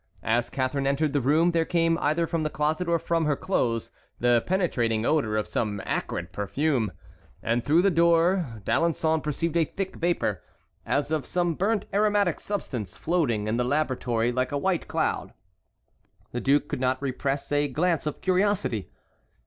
As Catharine entered the room there came either from the closet or from her clothes the penetrating odor of some acrid perfume, and through the open door D'Alençon perceived a thick vapor, as of some burnt aromatic substance, floating in the laboratory like a white cloud. The duke could not repress a glance of curiosity.